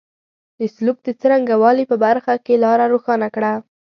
د سلوک د څرنګه والي په برخه کې لاره روښانه کړه.